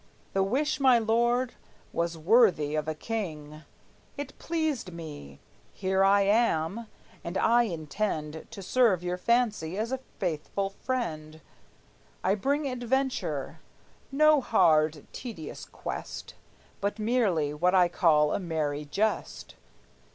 The wish, my lord, was worthy of a king! It pleased me; here I am; and I intend To serve your fancy as a faithful friend. I bring adventure, no hard, tedious quest, But merely what I call a merry jest.